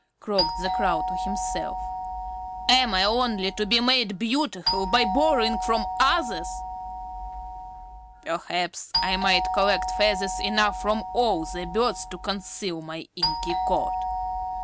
croaked the Crow to himself. "Am I only to be made beautiful by borrowing from others? Perhaps I might collect feathers enough from all the birds to conceal my inky coat.